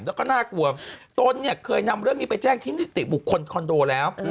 แล้วก็น่ากลัวตนเนี่ยเคยนำเรื่องนี้ไปแจ้งที่นิติบุคคลคอนโดแล้ว